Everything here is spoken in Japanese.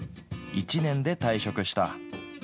１年で退職した。